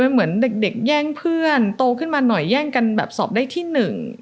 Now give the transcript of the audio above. เหมือนเด็กแย่งเพื่อนโตขึ้นมาหน่อยแย่งกันแบบสอบได้ที่หนึ่ง